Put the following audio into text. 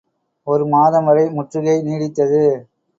ஒரு மாதம் வரை முற்றுகை நீடித்தது.